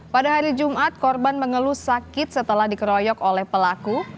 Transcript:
pada hari jumat korban mengeluh sakit setelah dikeroyok oleh pelaku